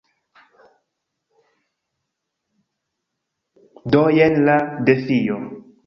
Do jen la defio.